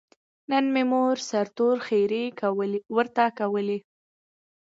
نن یې مور سرتور ښېرې ورته کولې.